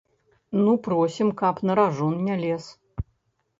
Ну просім, каб на ражон не лез.